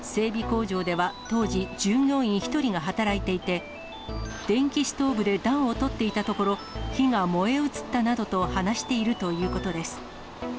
工場では当時、従業員１人が働いていて、電気ストーブで暖をとっていたところ、火が燃え移ったなどと話しているということです。